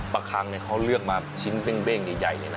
ปลาคังนี่เขาเลือกมาชิ้นซึ่งเบ้งใหญ่เลยนะ